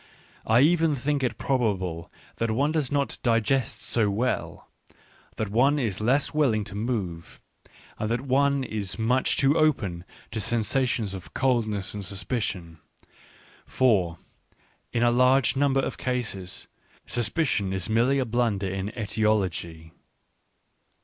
I even think it probable that one does not digest so well, that one is less willing to move, and that one is much too open to sensa tions of coldness and suspicion ; for, in a large number of cases, suspicion is merely a blunder in etiology.